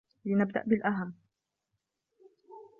لنبدأ بالأهم.